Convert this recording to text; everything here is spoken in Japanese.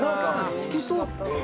「透き通ってるな」